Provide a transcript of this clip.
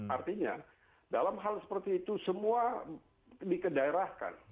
artinya dalam hal seperti itu semua dikedaerahkan